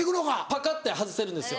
パカって外せるんですよ。